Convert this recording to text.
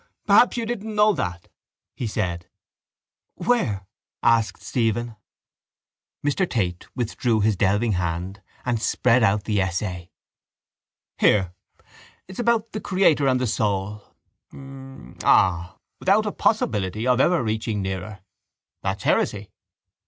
—Perhaps you didn't know that, he said. —Where? asked Stephen. Mr Tate withdrew his delving hand and spread out the essay. —Here. It's about the Creator and the soul. Rrm... rrm... rrm... Ah! without a possibility of ever approaching nearer. That's heresy.